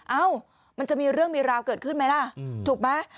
เอ้ามันจะมีเรื่องมีราวเกิดขึ้นไหมล่ะถูกไหม